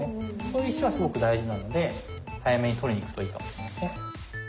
そういう石はすごく大事なので早めに取りにいくといいかも。